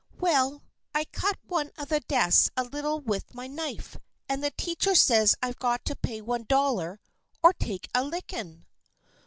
"Well, I cut one of the desks a little with my knife, and the teacher says I've got to pay $1 or take a lickin'!"